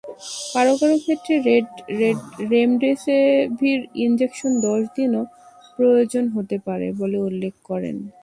কারো কারো ক্ষেত্রে রেমডেসেভির ইনজেকশন দশ দিনও প্রয়োজন হতে পারে বলে উল্লেখ করেন।